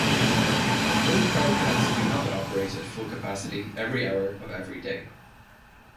Most power plants do not operate at full capacity every hour of every day.